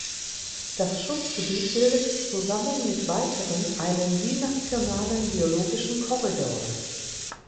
Das Schutzgebiet bildet zusammen mit weiteren einen binationalen biologischen Korridor.